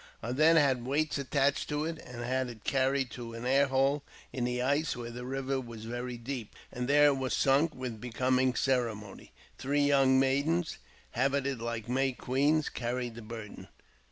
I then had weights attached to it, and had it carried to an air hole in the ice where the river was very deep, and there it was sunk with becoming ceremony. Three young maidens, habited like May queens, carried the burden.